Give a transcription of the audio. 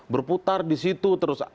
berputar disitu terus